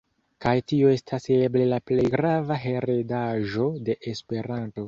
Kaj tio estas eble la plej grava heredaĵo de Esperanto.